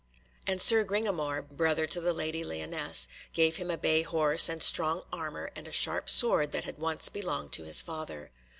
And Sir Gringamore, brother to the Lady Lyonesse, gave him a bay horse, and strong armour, and a sharp sword that had once belonged to his father.